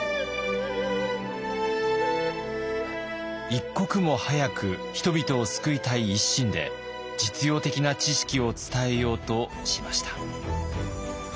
一刻も早く人々を救いたい一心で実用的な知識を伝えようとしました。